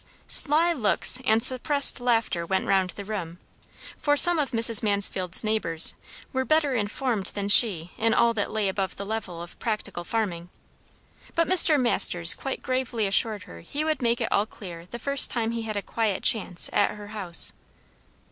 Sly looks and suppressed laughter went round the room, for some of Mrs. Mansfield's neighbours were better informed than she in all that lay above the level of practical farming; but Mr. Masters quite gravely assured her he would make it all clear the first time he had a quiet chance at her house.